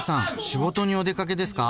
仕事にお出かけですか。